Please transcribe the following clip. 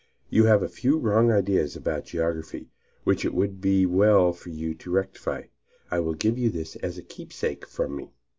You have a few wrong ideas about geography, which it would be well for you to rectify. I will give you this as a keepsake from me."